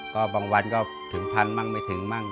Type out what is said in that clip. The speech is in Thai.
ก็บางวันก็ถึงพันมั่งไม่ถึงมั่ง